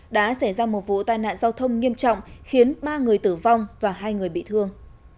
đã xảy ra một vụ tai nạn giao thông nghiêm trọng khiến ba người tử vong và hai người bị thương